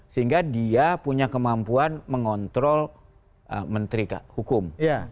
sehingga dia punya kemampuan mengontrol menteri hukum